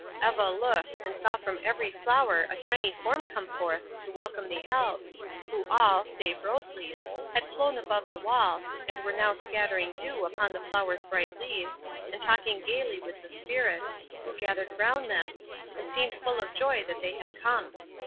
Eva looked, and saw from every flower a tiny form come forth to welcome the Elves, who all, save Rose Leaf, had flown above the wall, and were now scattering dew upon the flowers' bright leaves and talking gayly with the Spirits, who gathered around them, and seemed full of joy that they had come.